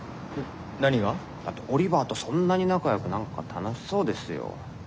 何が？だってオリバーとそんなに仲よく何か楽しそうですよ。